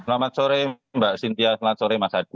selamat sore mbak cynthia selamat sore mas adi